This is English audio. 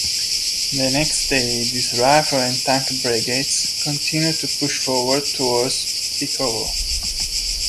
The next day these rifle and tank brigades continued to push forward towards Bykovo.